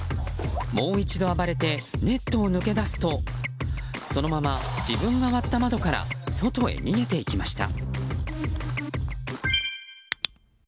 もう一度暴れてネットを抜け出すとそのまま、自分が割った窓から外へ逃げていきました。